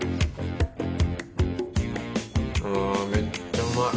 ああめっちゃうまい。